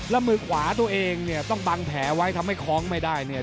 แล้วมือขวาตัวเองเนี่ยต้องบังแผลไว้ทำให้คล้องไม่ได้เนี่ย